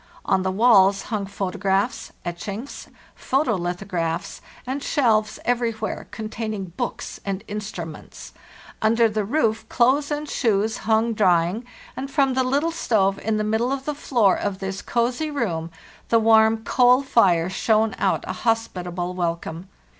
On the walls hung photographs, etchings, photo lithographs, and shelves everywhere, containing books and instruments; under the roof clothes and shoes hung drying, and from the little stove in the middle of the floor of this cozy room the warm coal fire shone out a hospitable welcome.